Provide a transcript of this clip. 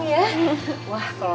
kita gak bisa ketemu sama boy